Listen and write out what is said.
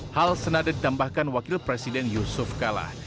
hal senadat tambahkan wakil presiden yusuf kalah